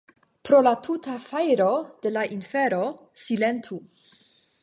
Pro la tuta fajro de la infero, silentu!